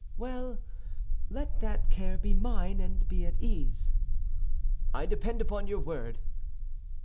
"Well, let that care be mine, and be at ease." "I depend upon your word."